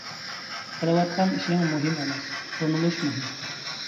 قىلىۋاتقان ئىشىڭ مۇھىم ئەمەس، تونۇلۇش مۇھىم.